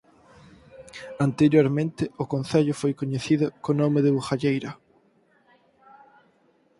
Anteriormente o concello foi coñecido co nome de Bugalleira.